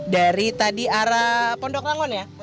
dari tadi arah pondok rangon ya